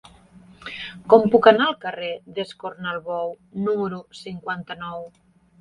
Com puc anar al carrer d'Escornalbou número cinquanta-nou?